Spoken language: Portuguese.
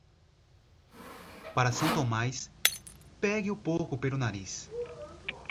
Para São Tomás, pegue o porco pelo nariz.